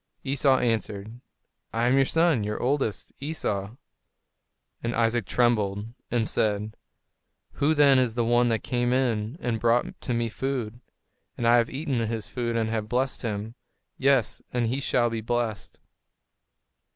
Esau answered, "I am your son; your oldest son, Esau." And Isaac trembled, and said, "Who then is the one that came in and brought to me food? and I have eaten his food and have blessed him; yes, and he shall be blessed."